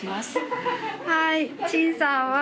はい。